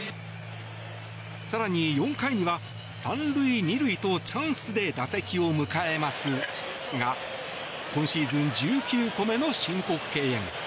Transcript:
更に、４回には３塁２塁とチャンスで打席を迎えますが今シーズン１９個目の申告敬遠。